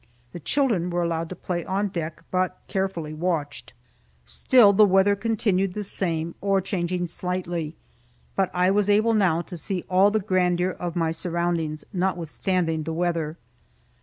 The children were allowed to play on deck, but carefully watched. Still the weather continued the same, or changing slightly. But I was able now to see all the grandeur of my surroundings, notwithstanding the weather.